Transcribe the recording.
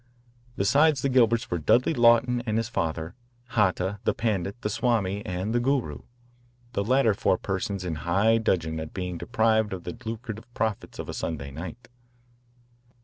Besides the Gilberts were Dudley Lawton and his father, Hata, the Pandit, the Swami, and the Guru the latter four persons in high dudgeon at being deprived of the lucrative profits of a Sunday night.